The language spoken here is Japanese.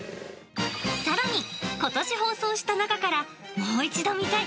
さらに、ことし放送した中からもう一度見たい！